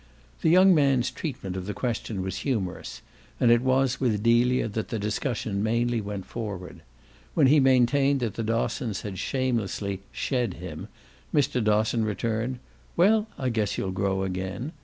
The young man's treatment of the question was humorous, and it was with Delia that the discussion mainly went forward. When he maintained that the Dossons had shamelessly "shed" him Mr. Dosson returned "Well, I guess you'll grow again!"